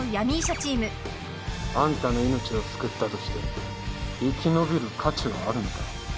チームあんたの命を救ったとして生き延びる価値はあるのか？